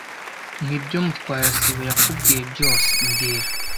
Nibyo Mutwara sibo yakubwiye byose mbwira